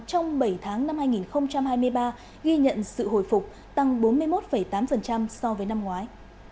trong bảy tháng năm hai nghìn hai mươi ba ghi nhận sự hồi phục tăng bốn mươi một tám so với năm ngoái